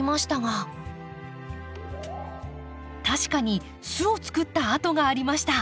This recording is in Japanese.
確かに巣を作った跡がありました。